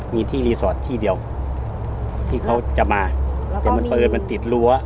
มีที่รีสอร์ทที่เดียวที่เขาจะมาแต่มันปืนมันติดรั้ว